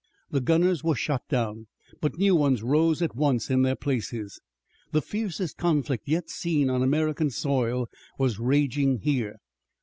The gunners were shot down, but new ones rose at once in their place. The fiercest conflict yet seen on American soil was raging here.